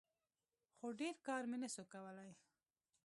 خو ډېر کار مې نسو کولاى.